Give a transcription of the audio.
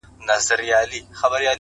سپوږميه کړنگ وهه راخېژه وايم؛